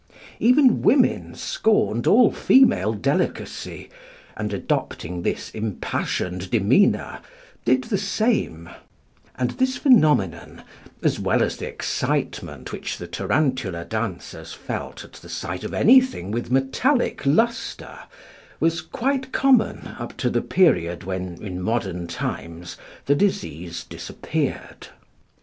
Even women scorned all female delicacy, and, adopting this impassioned demeanour, did the same; and this phenomenon, as well as the excitement which the tarantula dancers felt at the sight of anything with metallic lustre, was quite common up to the period when, in modern times, the disease disappeared.